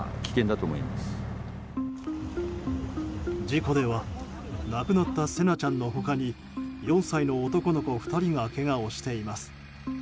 事故では亡くなった成那ちゃんの他に４歳の男の子２人がけがをしています。